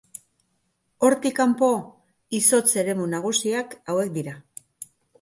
Hortik kanpo, izotz-eremu nagusiak hauek dira.